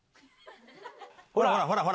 ほらほらほら！